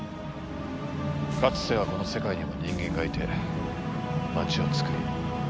かつてはこの世界にも人間がいて街をつくり文明を築いていた。